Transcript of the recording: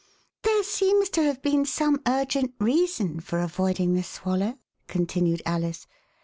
There seems to have been some urgent reason for avoiding the swallow," continued Alice.